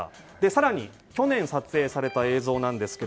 更に去年撮影された映像です。